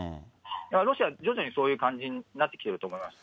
ロシアは徐々にそういう感じになってきていると思います。